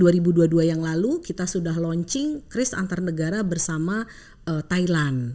dua ribu dua puluh dua yang lalu kita sudah launching kris antar negara bersama thailand